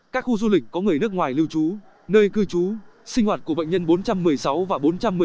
các khu du lịch có người nước ngoài lưu trú nơi cư trú sinh hoạt của bệnh nhân bốn trăm một mươi sáu và bốn trăm một mươi bốn